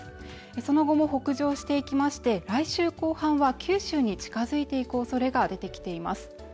その後も北上していきまして、来週後半は九州に近づいていくおそれが出てきています。